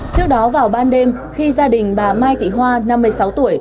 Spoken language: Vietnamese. trước đó vào ban đêm khi gia đình bà mai thị hoa năm mươi sáu tuổi